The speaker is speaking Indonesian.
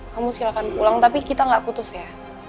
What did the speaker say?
kamu silahkan pulang tapi kita gak putus ya